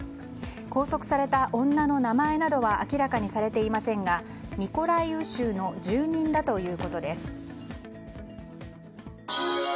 拘束された女の名前などは明らかにされていませんがミコライウ州の住人だということです。